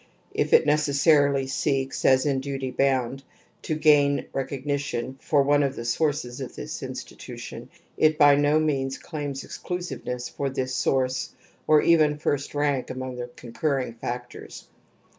If it necessarily Seeks, as in duty bound, to gain recognition for one of the sources of this institution, it by no means claims exclusiveness for this soitrce or even first rank among the concurring factors.